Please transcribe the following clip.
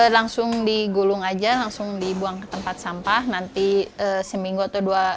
langsung digulung aja langsung dibuang ke tempat sampah nanti seminggu atau dua hari